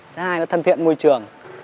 thứ hai là nó thân thiện môi trường